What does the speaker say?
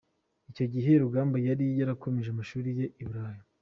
Icyo gihe Rugamba yari yarakomeje amashuri ye i Burayi.